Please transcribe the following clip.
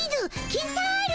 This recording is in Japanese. キンタール！